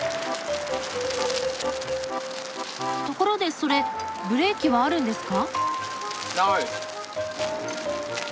ところでそれブレーキはあるんですか？